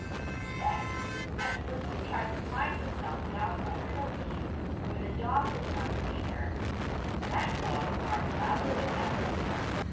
And then, as Slicko tried to hide herself down under the leaves, where the dog could not see her, that dog barked louder than ever.